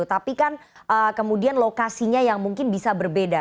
tapi kan kemudian lokasinya yang mungkin bisa berbeda